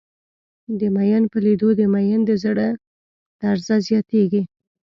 د ميئن په لېدو د ميئن د زړه درزه زياتېږي.